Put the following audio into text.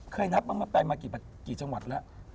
เคยนับว่ามาไปมากี่จังหวัดแล้ว